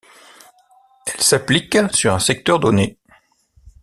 Elle s´applique sur un secteur donné.